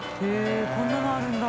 こんなのあるんだ。